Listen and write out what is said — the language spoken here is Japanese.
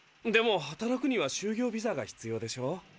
でも働くには就業ビザが必要でしょ？